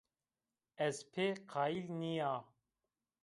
Ez pê qayîl nîya